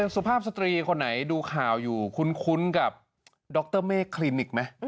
สุภาพสตรีคนไหนดูข่าวอยู่คุ้นกับดรเมฆคลินิกไหม